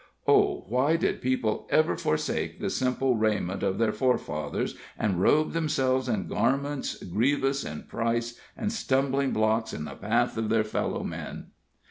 Oh, why did people ever forsake the simple raiment of their forefathers, and robe themselves in garments grievous in price, and stumbling blocks in the path of their fellow men?